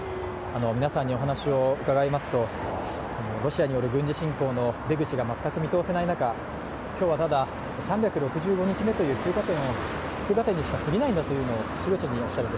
皆さんにお話を伺いますと、ロシアによる軍事侵攻の出口が全く見通せない中今日はただ、３６５日目という通過点にしかすぎないんだと話します。